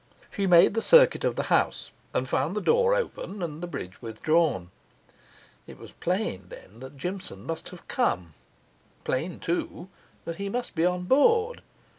She made the circuit of the house, and found the door open and the bridge withdrawn. It was plain, then, that Jimson must have come; plain, too, that he must be on board.